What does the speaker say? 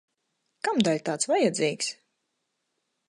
Kamdēļ tāds vajadzīgs?